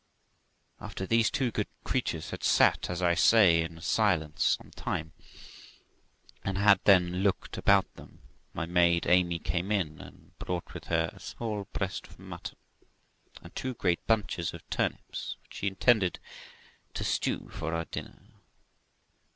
After these two good creatures had sat, as I say, in silence some time, and had then looked about them, my maid Amy came in, and brought with her a small breast of mutton and two great bunches of turnips, which she intended to stew for our dinner.